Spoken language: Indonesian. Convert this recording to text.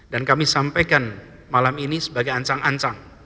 dan kami sampaikan malam ini sebagai ancang ancang